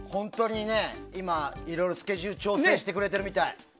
今いろいろスケジュール調整をしてくれてるみたい。